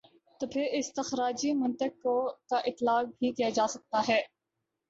تو پھر استخراجی منطق کا اطلاق بھی کیا جا سکتا ہے۔